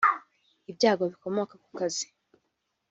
ibyago bikomoka ku kazi